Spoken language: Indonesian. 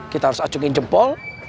kita harus acungin jempol